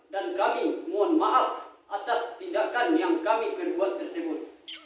dan kami mohon maaf atas tindakan yang kami perbuat tersebut